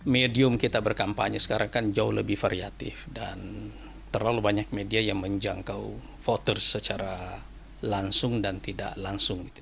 medium kita berkampanye sekarang kan jauh lebih variatif dan terlalu banyak media yang menjangkau voters secara langsung dan tidak langsung